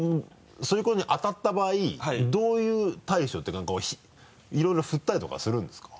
そういう子に当たった場合どういう対処っていうかいろいろふったりとかはするんですか？